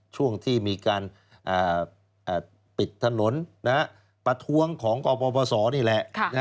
ช่วงที่มีการปิดถนนประทวงของประวัติศาสตร์นี่แหละ